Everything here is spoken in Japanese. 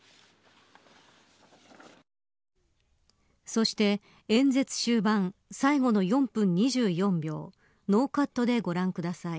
そして、演説終盤最後の４分２４秒ノーカットでご覧ください。